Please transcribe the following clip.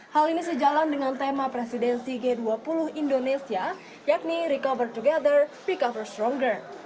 hal ini sejalan dengan tema presidensi g dua puluh indonesia yakni recover together recover stronger